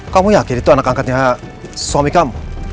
kamu yakin itu anak angkatnya suami kamu